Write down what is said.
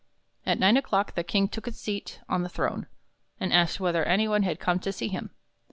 At nine o'clock the King took his seat on his throne* and asked whether any one had come to see him.